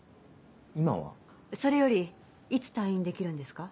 それよりいつ退院できるんですか？